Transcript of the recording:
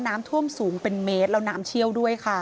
น้ำท่วมสูงเป็นเมตรแล้วน้ำเชี่ยวด้วยค่ะ